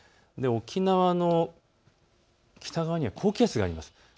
沖縄の北側には高気圧があります。